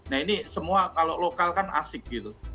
nah ini semua kalau lokal kan asik gitu